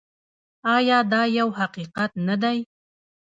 آیا دا یو حقیقت نه دی؟